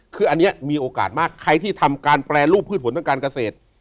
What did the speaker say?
คืออันนี้มีโอกาสมากใครที่ทำการแปรรูปพืชผลทางการเกษตร